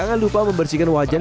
jangan lupa membersihkan wajan